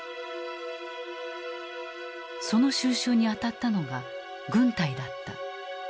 その収拾に当たったのが軍隊だった。